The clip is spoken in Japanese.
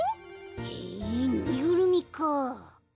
へえぬいぐるみか。